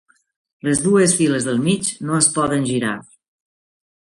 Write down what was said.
Les dos files del mig no es poden girar.